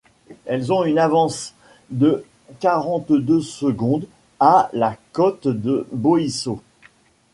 Elles ont une avance de quarante-deux secondes à la côte de Bohissau.